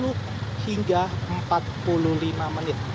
satu hingga empat puluh lima menit